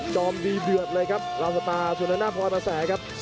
ดีเดือดเลยครับลาวสตาร์สุรนาพรประแสครับ